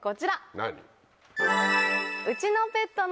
何？